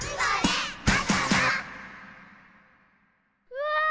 うわ！